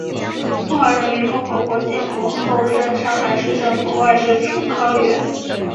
中华人民共和国建国后任上海市政府外事处科员。